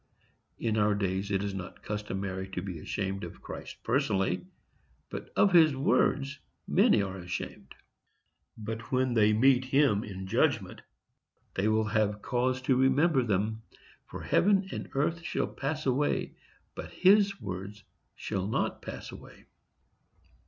In our days it is not customary to be ashamed of Christ personally, but of his words many are ashamed. But when they meet Him in judgment they will have cause to remember them; for heaven and earth shall pass away, but His word shall not pass away.